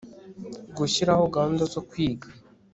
gushyiraho gahunda zo kwiga